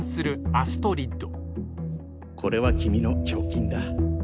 アストリッド！